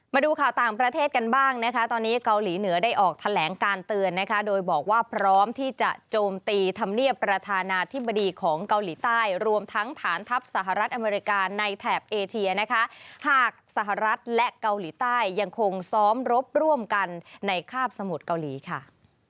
มาดูข่าวต่างประเทศกันบ้างนะคะตอนนี้เกาหลีเหนือได้ออกแถลงการเตือนนะคะโดยบอกว่าพร้อมที่จะโจมตีธรรมเนียบประธานาธิบดีของเกาหลีใต้รวมทั้งฐานทัพสหรัฐอเมริกาในแถบเอเทียนะคะหากสหรัฐและเกาหลีใต้ยังคงซ้อมรบร่วมกันในคาบสมุทรเกาหลีค่ะ